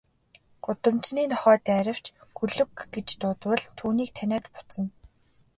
Гудамжны нохой дайравч, гөлөг гэж дуудвал түүнийг таниад буцна.